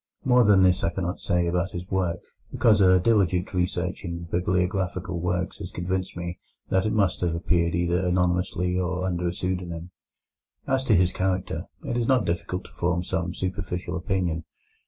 More than this I cannot say about his work, because a diligent search in bibliographical works has convinced me that it must have appeared either anonymously or under a pseudonym. As to his character, it is not difficult to form some superficial opinion.